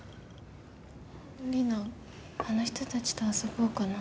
リナあの人たちと遊ぼうかな。